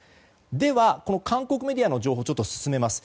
では、韓国メディアの情報進めます。